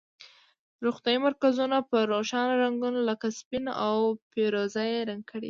روغتیایي مرکزونه په روښانه رنګونو لکه سپین او پیروزه یي رنګ کړئ.